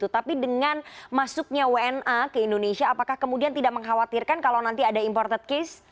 tapi dengan masuknya wna ke indonesia apakah kemudian tidak mengkhawatirkan kalau nanti ada imported case